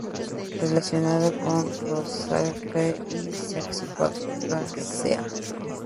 Relacionado con Rosaceae y con Saxifragaceae.